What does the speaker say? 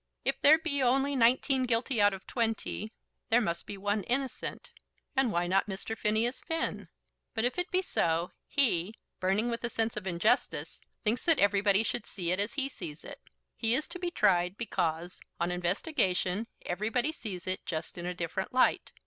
If there be only nineteen guilty out of twenty, there must be one innocent; and why not Mr. Phineas Finn? But, if it be so, he, burning with the sense of injustice, thinks that everybody should see it as he sees it. He is to be tried, because, on investigation, everybody sees it just in a different light.